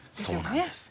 そうなんです。